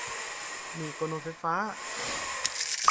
มีดโกนหนวดไฟฟ้า